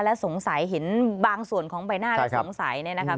และสงสัยเห็นบางส่วนของใบหน้าแล้วสงสัยเนี่ยนะครับ